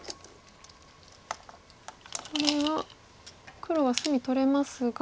これは黒は隅取れますが。